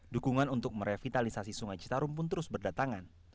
dukungan untuk merevitalisasi sungai citarum pun terus berdatangan